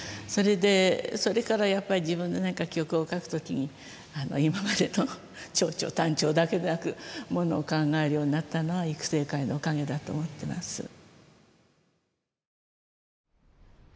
それでそれからやっぱり自分で何か曲を書く時に今までの長調短調だけでなくものを考えるようになったのは育成会のおかげだと思ってます。